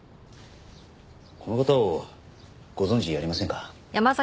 この方をご存じありませんか？